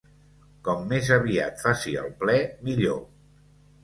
Com més aviat faci el ple, millor.